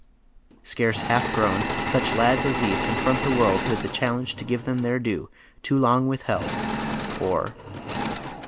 Scarce half grown, such lads as these confront the world with the challenge to give them their due, too long withheld, or